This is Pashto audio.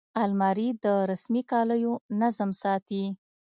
الماري د رسمي کالیو نظم ساتي